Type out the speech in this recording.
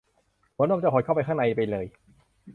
หัวนมจะหดเข้าข้างในไปเลย